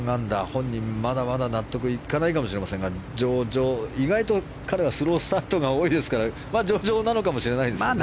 本人も、まだまだ納得がいかないかもしれませんが意外と彼はスロースタートが多いですから上々なのかもしれないですね。